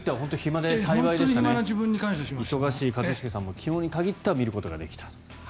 忙しい一茂さんも昨日に限っては見ることができた。